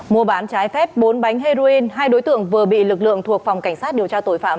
mua bán trái phép bốn bánh heroin hai đối tượng vừa bị lực lượng thuộc phòng cảnh sát điều tra tội phạm